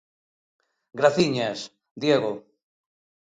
Graciñas, Diego.